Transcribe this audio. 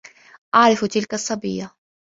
أعرف تلك الصبية.